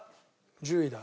１０位だ。